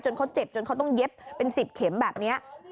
เขาเจ็บจนเขาต้องเย็บเป็น๑๐เข็มแบบนี้